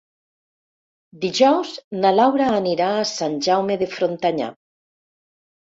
Dijous na Laura anirà a Sant Jaume de Frontanyà.